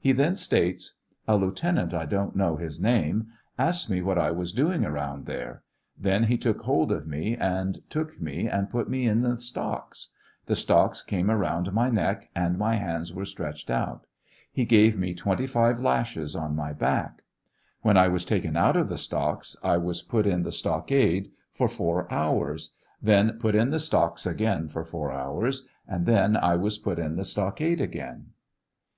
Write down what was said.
He then states : A lieutenant, I don't know his name, asked me what I was doing around there »»* Then he took hold of me, and took me and put me in the stocks ; the stocks came around my neck, and my hands were stretched out; he gave me 25 lashes on my back. When I was taken out of the stocks !■ was put in the stockade for four hours ; then put in the stocks again for four hours, and then I was put in the stockade again.